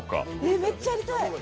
めっちゃやりたい。